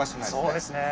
そうですね。